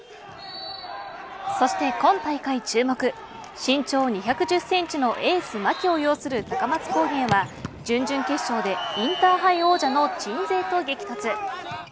そして今大会注目身長２１０センチのエース牧を擁する高松工芸は準々決勝で、インターハイ王者の鎮西と激突。